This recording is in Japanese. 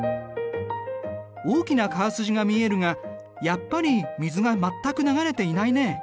大きな川筋が見えるがやっぱり水が全く流れていないね。